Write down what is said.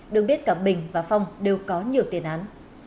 đương biết cả bình và phong đều có nhiều tiền án